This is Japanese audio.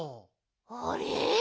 あれ？